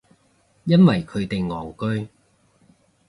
因為佢哋戇居